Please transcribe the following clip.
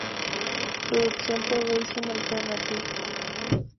Producido por Rising Alternative